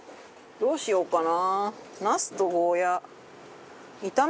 どうしようかな？